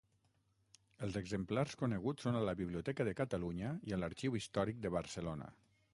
Els exemplars coneguts són a la Biblioteca de Catalunya i a l'Arxiu Històric de Barcelona.